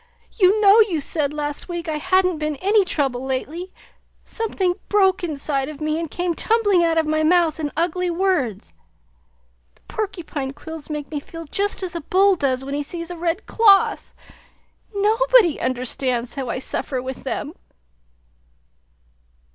You know you said last week I hadn't been any trouble lately. Something broke inside of me and came tumbling out of my mouth in ugly words! The porcupine quills make me feel just as a bull does when he sees a red cloth; nobody understands how I suffer with them!"